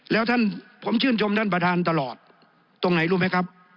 แล้วท่านผมชื่นชมท่านประธานตลอดตรงไหนรู้ไหมครับ